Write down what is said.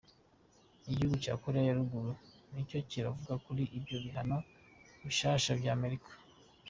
Igihugu ca Korea ya Ruguru ntaco kiravuga kuri ivyo bihano bishasha vya Amerika.